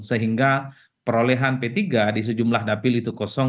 sehingga perolehan p tiga di sejumlah dapil itu kosong